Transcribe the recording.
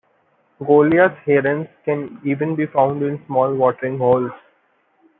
Goliath herons can even be found in small watering holes.